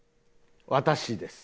私です。